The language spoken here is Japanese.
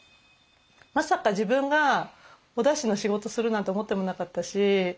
まさか自分がおだしの仕事するなんて思ってもなかったし。